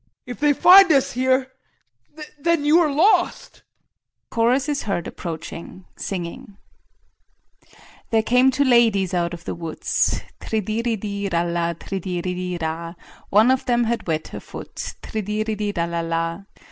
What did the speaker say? If they find us here then you are lost. [Chorus is heard approaching, singing.] "There came two ladies out of the woods Tridiridi ralla tridiridi ra. One of them had wet her foot, Tridiridi ralla la.